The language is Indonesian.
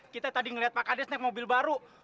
kita tadi ngeliat pak kades naik mobil baru